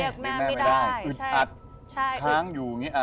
เรียกแม่ไม่ได้อึดอัดค้างอยู่อย่างนี้อ่ะ